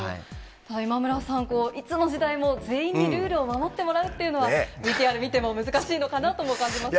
今村さん、いつの時代も全員にルールを守ってもらうっていうのは、ＶＴＲ見ても難しいのかなと感じますね。